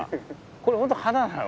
これ本当花なの？